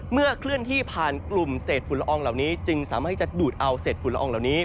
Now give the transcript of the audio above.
เคลื่อนที่ผ่านกลุ่มเศษฝุ่นละอองเหล่านี้จึงสามารถให้จะดูดเอาเศษฝุ่นละอองเหล่านี้